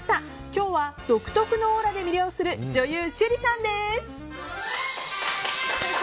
今日は独特のオーラで魅了する女優・趣里さんです。